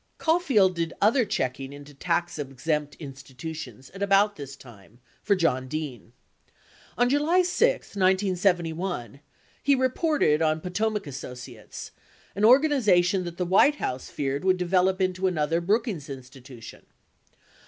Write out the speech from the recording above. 79 Caulfield did other checking into tax exempt institutions at about this time for John Dean. On July 6, 1971, he reported on Potomac Associates, an organization that the White House feared would de velop into another Brookings Institution.